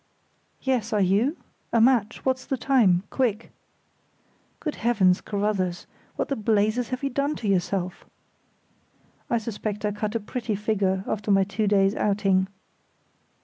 "Yes; are you? A match! What's the time? Quick!" "Good Heavens, Carruthers, what the blazes have you done to yourself?" (I suspect I cut a pretty figure after my two days' outing.)